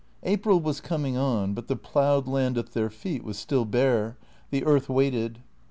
April was coming on, but the ploughed land at their feet was still bare; the earth waited.